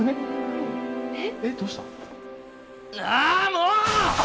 もう！